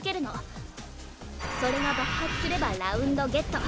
それが爆発すればラウンドゲット。